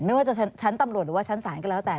ไม่ว่าจะชั้นตำรวจหรือว่าชั้นศาลก็แล้วแต่